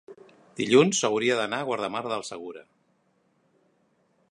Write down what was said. Dilluns hauria d'anar a Guardamar del Segura.